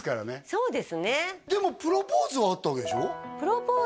そうですねでもプロポーズはあったわけでしょ？